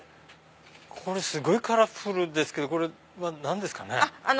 すごいカラフルですけどこれは何ですかね？